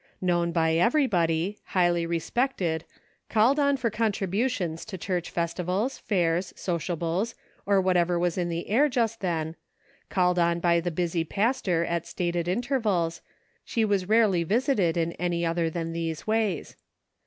Known by everybody, highly respected called on for contributions to church festivals^ fairs, sociables or whatever was in the air jus\ then ; called on by the busy pastor at stated inter vals, she was rarely visited in any other than these ways.